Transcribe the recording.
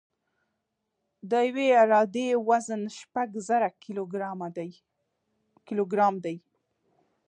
د یوې عرادې وزن شپږ زره کیلوګرام دی